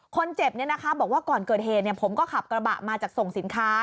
คนเจ็บบอกว่าก่อนเกิดเหตุผมก็ขับกระบะมาจากส่งสินค้า